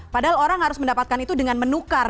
padahal orang harus mendapatkan itu dengan menukar